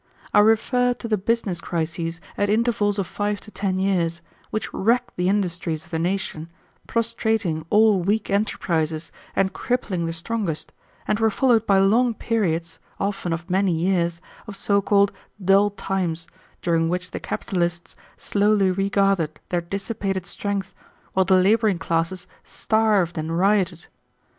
I refer to the business crises at intervals of five to ten years, which wrecked the industries of the nation, prostrating all weak enterprises and crippling the strongest, and were followed by long periods, often of many years, of so called dull times, during which the capitalists slowly regathered their dissipated strength while the laboring classes starved and rioted.